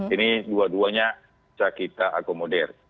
ini dua duanya bisa kita akomodir